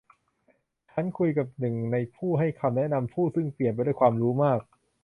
ฉันคุยกับหนึ่งในผู้ให้คำแนะนำ ผู้ซึ่งเปี่ยมไปด้วยความรู้มาก